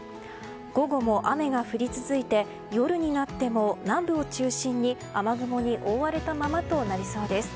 午後も雨が降り続いて夜になっても南部を中心に雨雲に覆われたままとなりそうです。